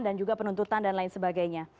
dan juga penuntutan dan lain sebagainya